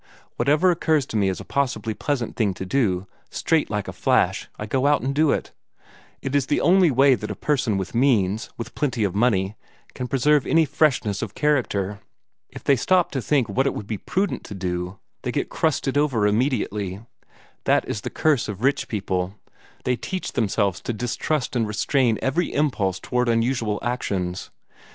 Whatever occurs to me as a possibly pleasant thing to do, straight like a hash, I go and do it. It is the only way that a person with means, with plenty of money, can preserve any freshness of character. If they stop to think what it would be prudent to do, they get crusted over immediately. That is the curse of rich people they teach themselves to distrust and restrain every impulse toward unusual actions.